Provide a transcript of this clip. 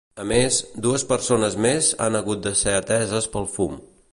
A més, dues persones més han hagut de ser ateses pel fum.